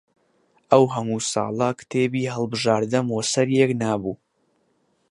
ئەو هەموو ساڵە کتێبی هەڵبژاردەم وە سەر یەک نابوو